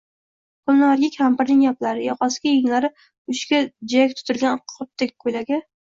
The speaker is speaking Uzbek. Gulnoraga kampirning gaplari, yoqasiga, yenglari uchiga jiyak tutilgan qopdek koʼylagi